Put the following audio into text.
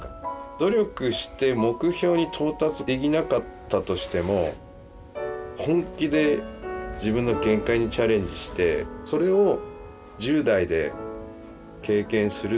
努力して目標に到達できなかったとしても本気で自分の限界にチャレンジしてそれを１０代で経験する。